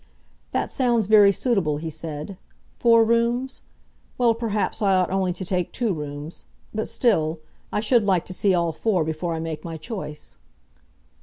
"That sounds very suitable," he said. "Four rooms? Well, perhaps I ought only to take two rooms, but, still, I should like to see all four before I make my choice."